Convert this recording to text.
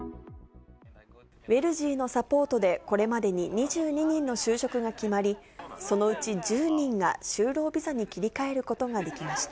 ウェルジーのサポートで、これまでに２２人の就職が決まり、そのうち１０人が就労ビザに切り替えることができました。